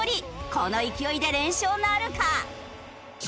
この勢いで連勝なるか！？